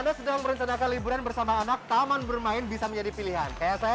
halo ada sedang merencanakan liburan bersama anak taman bermain bisa menjadi pilihan saya